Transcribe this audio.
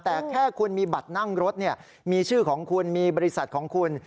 แต่แค่คุณมีบัตรนั่งรถมีชื่อของคุณมีบริษัทของคุณ